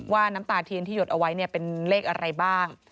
น้ำตาเทียนที่หยดเอาไว้เป็นเลขอะไรบ้าง